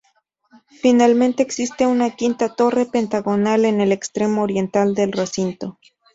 Finalmente, existe una quinta torre, pentagonal, en el extremo oriental del recinto.